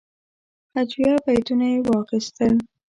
هجویه بیتونه یې واخیستل.